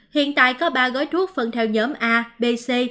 hiện tại có ba gói thuốc phân theo nhóm a b c